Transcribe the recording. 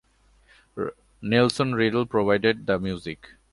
Nelson Riddle provided the music.